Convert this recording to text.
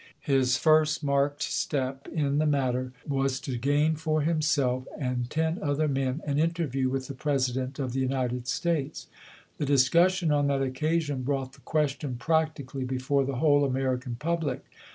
His first marked step in the matter was to gain for himself and ten other men an interview with the President of the United States. The discus sion on that occasion brought the question prac tically before the whole American public.